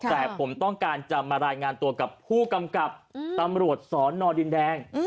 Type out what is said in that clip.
แต่ผมต้องการจะมารายงานตัวกับผู้กำกับตำรวจสอนอดินแดง